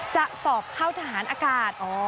จะสอบเข้าทหารอากาศ